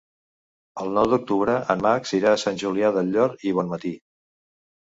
El nou d'octubre en Max irà a Sant Julià del Llor i Bonmatí.